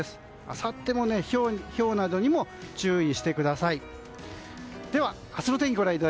あさっても、ひょうなどに注意してください。